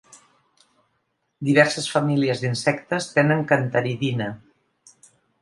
Diverses famílies d'insectes tenen cantaridina.